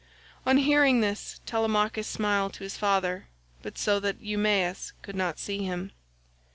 On hearing this Telemachus smiled to his father, but so that Eumaeus could not see him.